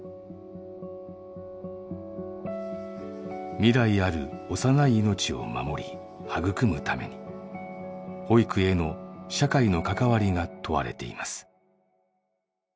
未来ある幼い命を守り育むために保育への社会の関わりが問われています。